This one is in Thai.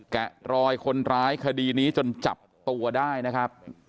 แกะรอยคนร้ายคดีนี้จนจับตัวได้นะครับ